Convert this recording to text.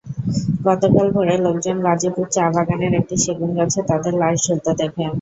গতকাল ভোরে লোকজন গাজীপুর চা-বাগানের একটি সেগুনগাছে তাঁদের লাশ ঝুলতে দেখেন।